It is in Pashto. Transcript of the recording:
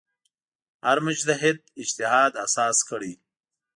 هر مجتهد اجتهاد اساس کړی.